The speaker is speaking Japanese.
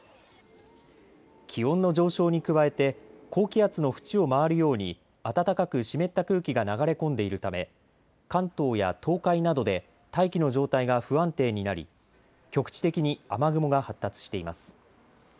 気温の上昇に加えて高気圧の縁を回るように暖かく湿った空気が流れ込んでいるため関東や東海などで大気の状態が不安定になり局地的に雨雲が発達しています。